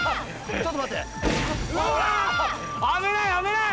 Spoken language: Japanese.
ちょっと待ってうわ！